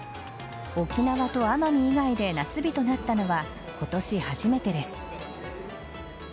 沖縄と奄美以外で夏日となったのは今年初めてです。